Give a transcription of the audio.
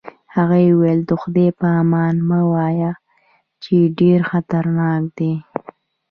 هغې وویل: د خدای په امان مه وایه، چې ډېر خطرناک دی.